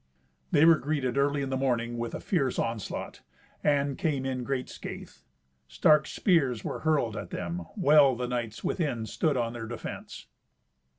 They were greeted early in the morning with a fierce onslaught, and came in great scathe. Stark spears were hurled at them. Well the knights within stood on their defence.